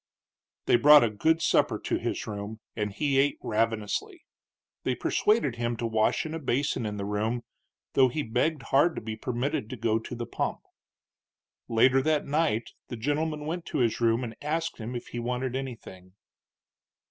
They brought a good supper to his room, and he ate ravenously. They persuaded him to wash in a basin in the room, though he begged hard to be permitted to go to the pump. Later that night the gentleman went to his room and asked him if he wanted anything.